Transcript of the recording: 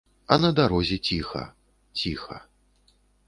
А на дарозе ціха, ціха.